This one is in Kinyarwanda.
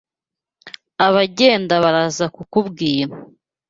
Abagenda baraza kukubwira